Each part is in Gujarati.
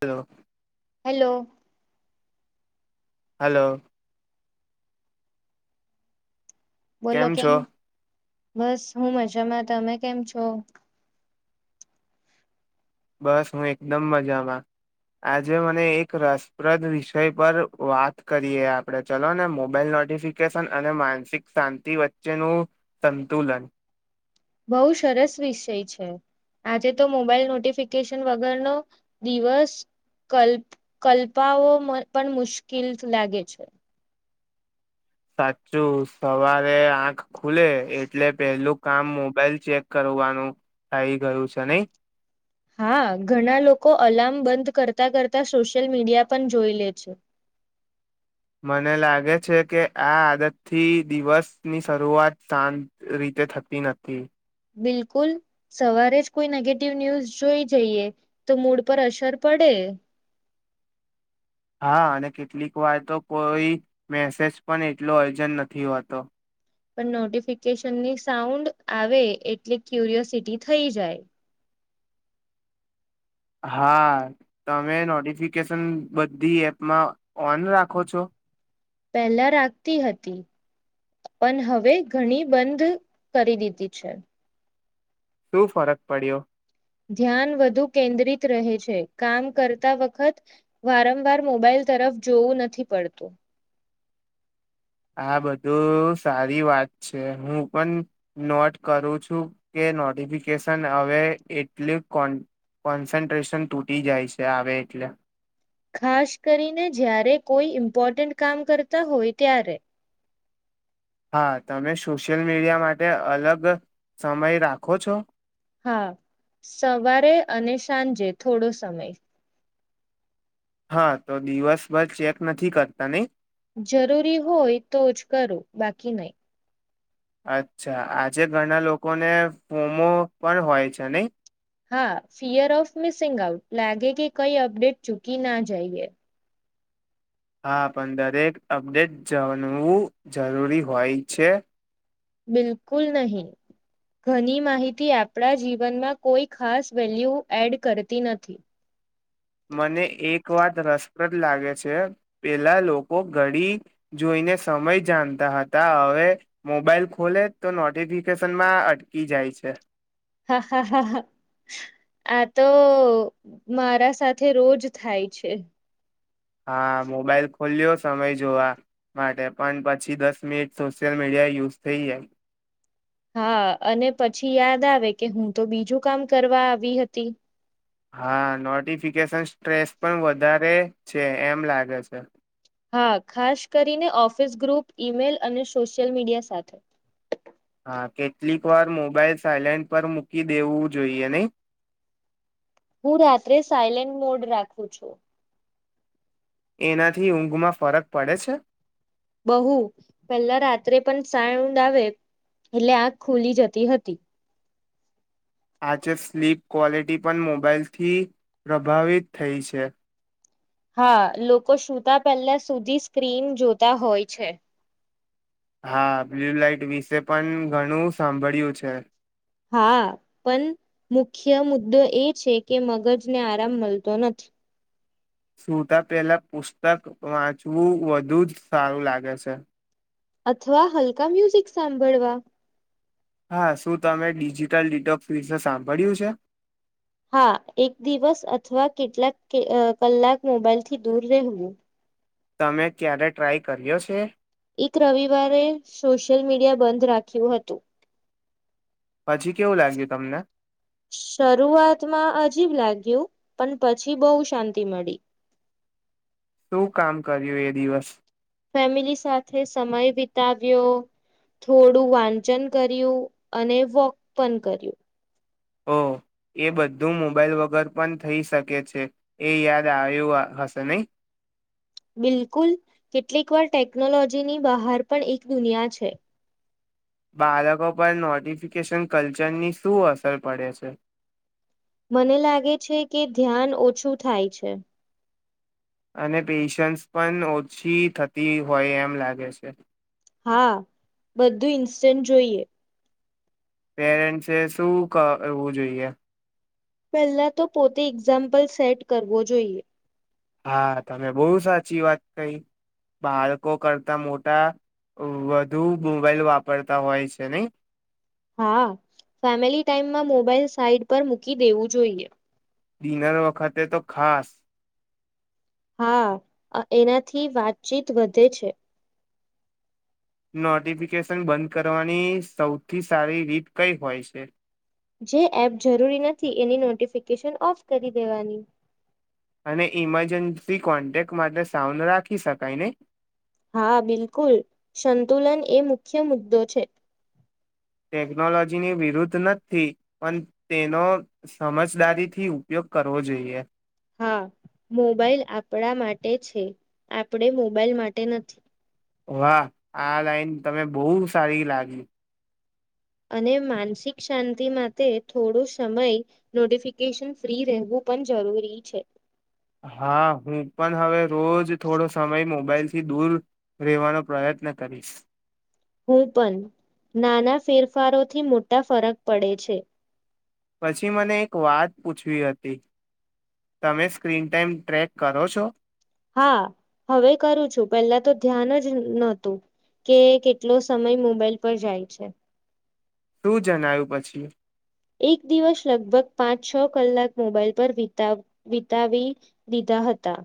હલો. હેલો. હલો. બોલો કેમ બસ હું મ જામાં તમે કેમ છો? બસ હું એકદમ મજામાં આજે મને એક રસપ્રદ વિષય પર વાત કરીએ આપણે ચલો ને મોબાઈલ નોટિફિકેશન અને માનસિક શાંતિ વચ્ચેનું સંતુલન. બહુ સરસ વિષય છે આજે તો મોબાઈલ નોટિફિકેશન વગરનો દિવસ કલ્ કલ્પાવો પણ મુશ્કીલ લાગે છે. સાચું સવારે આંખ ખુલે એટલે પેહલું કામ મોબાઈલ ચેક કરવાનું થઇ ગયું છે નઈ? હા ઘણા લોકો અલાર્મ બંધ કરતાં કરતા સોશિયલ મીડિયા પણ જોઈ લે છે. મને લાગે છે કે આ આદતથી દિવસની શરૂઆત શાંત રીતે થતી નથી. બિલકુલ, સવારે જ કોઈ નેગેટિવ ન્યુઝ જોઈ જઈએ તો મૂડ પર અસર પડે. હા અને કેટલીક વાર તો કોઈ મેસેજ પણ એટલો અર્જન્ટ નથી હોતો. પણ નોટિફિકેશનની સાઉન્ડ આવે એટલે ક્યુરિયોસિટી થઈ જાય. હા તમે નોટિફિકેશન બધી એપમાં ઓન રાખો છો? પહેલા રાખતી હતી પણ હવે ઘણી બંધ કરી દીધી છે. શું ફરક પડ્યો? ધ્યાન વધુ કેન્દ્રિત રહે છે, કામ કરતા વખત વારંવાર મોબાઈલ તરફ જોવું નથી પડતું. આ બધું સારી વાત છે, હું પણ નોટ કરું છું કે નોટિફિકેશન હવે એટલે કોન્ કોન્સન્ટ્રેશન તૂટી જાય છે આવે એટલે. ખાસ કરીને જ્યારે કોઈ ઇમ્પોર્ટન્ટ કામ કરતા હોય ત્યારે. હા તમે સોશિયલ મીડિયા માટે અલગ સમય રાખો છો? હા, સવારે અને સાંજે થોડો સમય. હા તો દિવસભર ચેક નથી કરતા નહીં? જરૂરી હોય તો જ કરું બાકી નહીં અચ્છા આજે ઘણા લોકોને ફોમો પણ હોય છે નહી હા ફિયર ઓફ મિસિંગ આઉટ લાગે કે કઈ અપડેટ ચૂકી ના જઈએ હા પણ દરેક અપડેટ જાણવું જરૂરી હોય છે બિલકુલ નહીં ઘણી માહિતી આપણા જીવનમાં કોઈ ખાસ વેલ્યુ એડ કરતી નથી મને એક વાત રસ લાગે છે પેલા લોકો ઘડી જોઈને સમય જાણતા હતા હવે મોબાઈલ ખોલે તો નોટિફિકેશનમાં અટકી જાય છે હા હા હા હા આ તો મારા સાથે રોજ થાય છે હા મોબાઈલ ખોલ્યો સમય જોવા માટે પણ પછી દસ મિનિટ સોશિયલ મીડિયા યુઝ થઈ એ હા અને પછી યાદ આવે કે હું તો બીજું કામ કરવા આવી હતી હા નોટિફિકેશન સ્ટ્રેસ પણ વધારે છે એમ લાગે છે હા ખાસ કરીને ઓફિસ ગ્રુપ ઈમેલ અને સોશિયલ મીડિયા સાથે હા કેટલીક વાર મોબાઈલ સાયલેન્ટ પર મૂકી દેવું જોઈએ નહી હું રાત્રે સાયલેન્ટ મોડ રાખું છું એનાથી ઊંઘમાં ફરક પડે છે બહુ પેલા રાત્રે પણ સાણ ઊંદ આવે એટલે આંખ ખુલી જતી હતી આજે સ્લીપ ક્વોલિટી પણ મોબાાઈલથી પ્રભાવિત થઈ છે હા લોકો સુતા પહેલા સુધી સ્ક્રીન જોતા હોય છે હા બ્લુ લઇટ વિશે પણ ઘણું સાંભળ્યું છે હા પણ મુખ્ય મુદ્દો એ છે કે મગજને આરામ મળતો નથી સુતા પહેલા પુસ્તક વાંચવું વધુ જ સારું લાગે છે અથવા હલકા મ્યુઝિક સાંભળવા હા શું તમે ડિજિટલ ડિટોક્સ વિશે સાંભળ્યું છે હા એક દિવસ અથવા કેટલાક કલાક મોબાઈલ થી દૂર રહેવું તમે ક્યારે ટ્રાય કર્યો છે એક રવિવારે સોશિયલ મીડિયા બંધ રાખ્યું હતું પછી કેવું લાગ્યું તમને શરૂઆતમાં અજીબ લાગ્યું પણ પછી બહુ શાંતિ મળી શું કામ કર્યું એ દિવસ ફેમિલી સાથે સમય વિતાવ્યો થોડું વાંચન કર્યું અને વોક પણ કર્યું ઓ એ બધું મોબાઈલ વગર પણ થઈ શકે છે એ યાદ આવ્યું હશે નહી બિલકુલ કેટલીક વાર ટેકનોલોજીની બહાર પણ એક દુનિયા છે બાળકો પર નોટિફિકેશન કલ્ચરની શું અસર પડે છે મને લાગે છે કે ધ્યાન ઓછું થાય છે અને પેશન્સ પણ ઓછી થતી હોય એમ લાગે છે હા બધું ઇન્સ્ટન્ટ જોઈએ પેરેન્ટ એ શું કરવું જોઈએ પહેલા તો પોતે એક્ઝામ્પલ સેટ કરવો જોઈએ હા તમે બહુ સાચી વાત કહી બાળકો કરતા મોટા વધુ મોબાઈલ વાપરતા હોય છે નને હા ફેમિલી ટાાઈમમાં મોબાઈલ સાઈટ પર મૂકી દેવું જોઈએ ડિનર વખતે તો ખાસ હા એનાથી વાતચીત વધે છે નોટિફિકેશન બંધ કરવાની સૌથી સારી રીત કઈ હોય છે જે એપ જરૂરી નથી એની નોટિફિકેશન ઓફ કરી દેવાની અને ઈમરજન્સી કોન્ટેક્ટ માટે સાઉન્ડ રાખી શકાય ને હા બિલકુલ સંતુલન એ મુખ્ય મુદ્દો છે ટેકનોલોજીની વિરુદ્ધ નથી પણ તેનો સમજદારીથી ઉપયોગ કરવો જોઈએ હા મોબાઈલ આપણા માટે છે આપણે મોબાઈલ માટે નથી વાહ આ લાઈન તમે બહુ સારી લાગી અને માનસિક શાંતિ માટે થોડો સમય નોટિફિકેશન ફ્રી રહેવું પણ જરૂરી છે હા હું પણ હવે રોજ થોડો સમય મોબાઈલ થી દૂર રહેવાનો પ્રયત્ન કરીશ હું પણ નાના ફેરફારોથી મોટા ફરક પડે છે પછી મને એક વાત પૂછવી હતી તમે સ્ક્રીન ટાઈમ ટ્રેક કરો છો હા હવે કરું છું પેલા તો ધ્યાન જ નતું કે કેટલો સમય મોબાઈલ પર જાય છે શું જણય્યું પછી એક દિવસ લગભગ પાંચ છ કલાક મોબાાઈલ પર વિતાવી દીધા હતા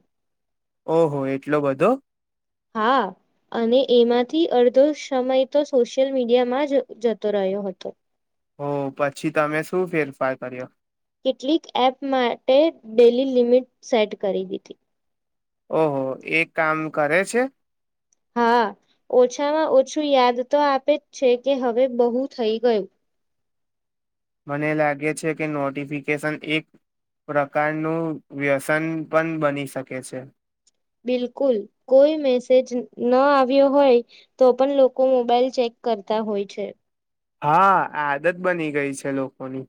ઓહો એટલો બધો હા અને એમાંથી અડધો સમય તો સોશિયલ મીડિયામાં જ જતો રહ્યો હતો હો પછી તમે શું ફેરફાર કર્યો કેટલીક એપ માટે ડેલી લિમિટ સેટ કરી દીધી ઓહો એ કામ કરે છે હા ઓછામાં ઓછું યાદ તો આપે જ છે કે હવે બહુ થઈ ગયું મને લાગે છે કે નોટિફિકેશન એક પ્રકારનું વ્યસન પણ બની શકે છે બિલકુલ કોઈ મેસેજ ન આવ્યો હોય તો પણ લોકો મોબાઈલ ચેક કરતા હોય છે હા આદત બની ગઈ છે લોકોની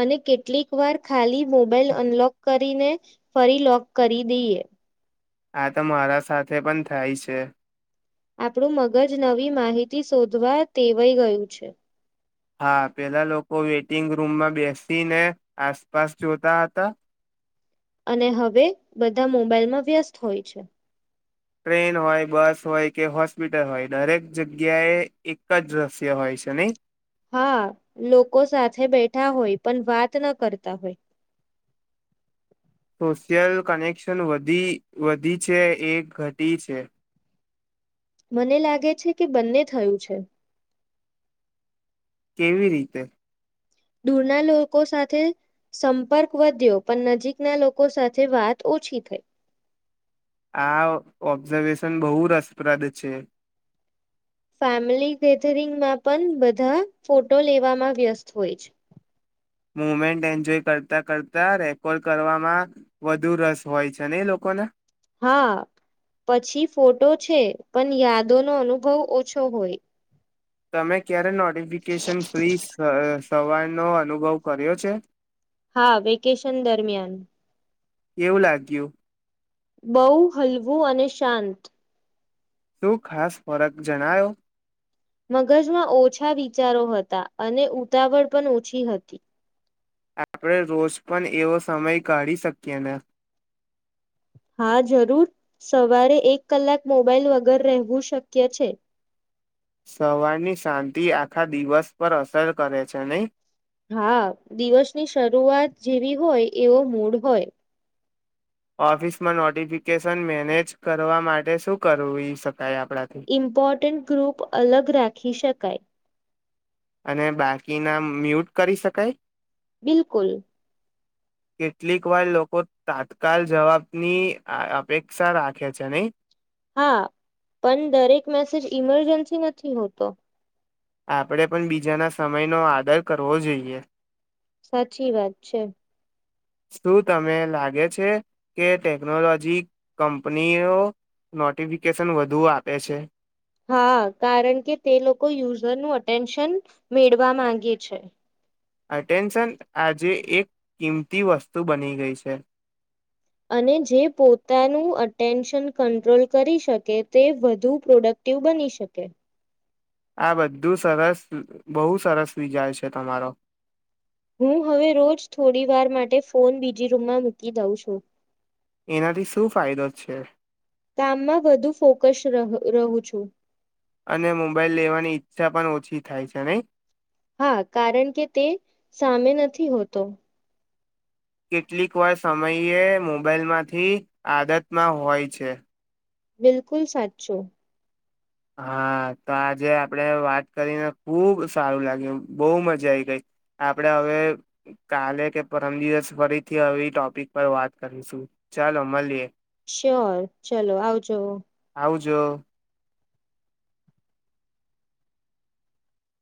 અને કેટલીક વાર ખાલી મોબાઈલ અનલોક કરીને ફરી લોક કરી દઈએ આ તો મારા સાથે પણ થાય છે આપણું મગજ નવી માહિતી શોધવા વાઈ ગયું છે હા પેલા લોકો વેઇટિંગ રૂમમાં બેસીને આસપાસ જોતા હતા અને હવે બધા મોબાઈલમાં વ્યસ્ત હોય છે ટ્રેન હોય બસ હોય કે હોસ્પિટલ હોય દરેક જગ્યાએ એક જ દશ્ય હોય છે નહી હા લોકો સાથે બેઠા હોય પણ વાત ન કરતા હોય સોશિયલ કનેક્શની વધી છે એ ઘટી છે મને લાગે છે કે બંને થયું છે કેવી રીતે દૂરના લોકો સાથે સંપર્ક વધ્યો પણ નજીકના લોકો સાથે વાત ઓછી થઈ આ ઓબ્ઝર્વેશન બહુ રસપ્રદ છે ફેમિલી ગેધરિંગમાં પણ બધા ફોટો લેવામાં વ્યસ્ત હોય છે મુમેન્ટ એન્જોય કરતાં કરતા રેકોર્ડ કરવામાં વધુ રસ હોય છે ને એ લોકોને હા પછી ફોટો છે પણ યાદો નો અનુભવ ઓછો હોય તમે ક્યારે નો ફિકેશન ફ્રી સવારનોો અનુભવ કર્યો છે હા વેકેશન દરમિયાન એવું લાગ્યું બહુ હલવું અને શાંત શું ખાસ ફરક જણાયો મગજમાં ઓછા વિચારો હતા અને ઉતાવળ પણ ઓછી હતી આપણે રોજ પણ એવો સમય કાઢી શકીએ ને હા જરૂર સવારે એક કલાક મોબાઈલ વગર રહેવું શક્ય છે સવારની શાંતિ આખા દિવસ પર અસર કરે છે નહીં હા દિવસની શરૂઆત જેવી હોય એવો મૂડ હોય ઓફિસમાં નોટિફિકેશન મેનેજ કરવા માટે શું કર શક ઇમ્પોર્ટન્ટ ગ્રુપ અલગ રાખી શકાય અને બાકીના મ્યુટ કરી શકાય બિલકુલ કેટલીક વાર લોકો તાત્કાલ જવાબની અપેક્ષા રાખે છે નહી હા પણ દરેક મેસેજ ઈમરજન્સી નથી હોતો આપણે પણ બીજાના સમયનો આદર કરવો જોઈએ સાચી વાત છે શું તને લાગે છે કે ટેકનોલોજી કંપનીઓ નોટિફિકેશન વધુ આપે છે હા કારણ કે તે લોકો યુઝર નું અટેન્શન મેળવા માંગે છે અટેન્શન આજે એક કિંમતી વસ્તુ બની ગઈ છે અને જે પોતાનું અટેન્શન કંટ્રોલ કરી શકે તે વધુ પ્રોડક્ટિવ બની શકે આ બધું સરસ બહુ સરસ વિી જાય છે તમારો હું હવે રોજ થોડી વાર માટે ફોન બીજી રૂમમાં મૂકી દઉં છું એનાથી શું ફાયદો છે કામમાં વધુ ફોકસ રહું છું અને મોબાઈલ લેવાની ઈચ્છા પણ ઓછી થાય છે નહી હા કારણ કે તે સામે નથી હોતો કેટલીક વાર સમયે મોબાઈલમાંથી આદતમાં હોય છે બિલકુલ સાચો હા તો આજે આપણેે વાત કરીને ખુબ સારું લાગ્યું બહુ મજા આવીઈ ગઈ આપણેે હવે કાલે કે પરમ દિવસ ફરીથી ટોપિક પર વાત કરીશું ચાલો મળીએે શ્યોર ચલો આવજો આવુંજો